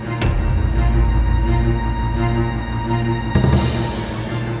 engin ingin melindungi dapat pembaptisan